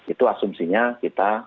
itu asumsinya kita